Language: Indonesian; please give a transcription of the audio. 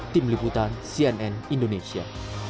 tim liputan cnn indonesia